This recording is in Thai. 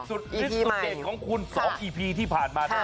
สุดฤทธิ์สุดเด็ดของคุณ๒อีพีที่ผ่านมา